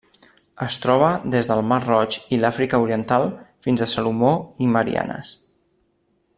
Es troba des del Mar Roig i l'Àfrica Oriental fins a Salomó i Mariannes.